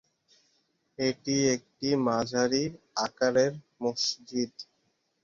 এটি একটি মাঝারি আকারের মসজিদ।